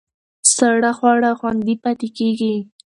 ساړه خواړه خوندي پاتې کېږي.